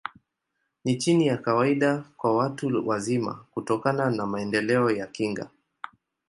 Ni chini ya kawaida kwa watu wazima, kutokana na maendeleo ya kinga.